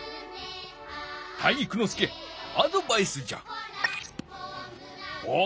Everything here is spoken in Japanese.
体育ノ介アドバイスじゃ。